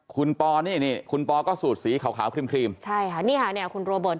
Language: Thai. คุณปอนี่นี่คุณปอก็สูตรสีขาวครีมใช่ค่ะนี่ค่ะเนี่ยคุณโรเบิร์ต